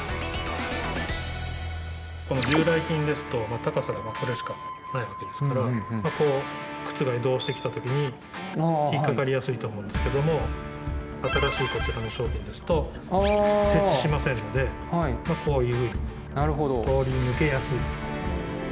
この従来品ですと高さがこれしかないわけですからこう靴が移動してきたときに引っ掛かりやすいと思うんですけども新しいこちらの商品ですと接地しませんのでこういう通り抜けやすい。